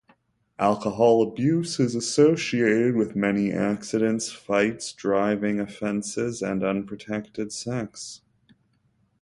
Alcohol abuse is associated with many accidents, fights, driving offenses and unprotected sex.